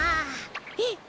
えっ？